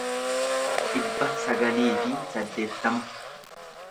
dhibba sagalii fi saddeettama